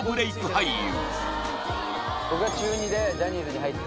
俳優